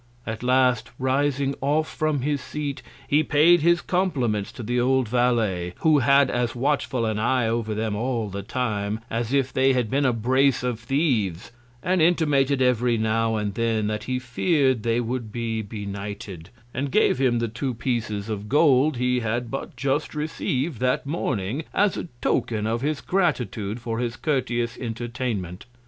At last, rising off from his Seat, he paid his Compliments to the old Valet (who had as watchful an Eye over them all the Time, as if they had been a Brace of Thieves, and intimated every now and then that he fear'd they would be benighted) and gave him the two Pieces of Gold, he had but just receiv'd that Morning, as a Token of his Gratitude for his courteous Entertainment.